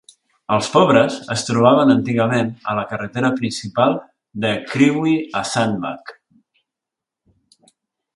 Els pobres es trobaven antigament a la carretera principal de Crewe a Sandbach.